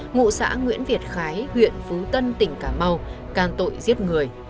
ngụ xã nguyễn việt khái huyện phú tân tỉnh cà mau can tội giết người